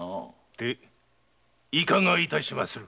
でいかがいたしまする？